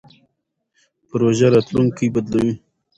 پروژه راتلونکی بدلوي.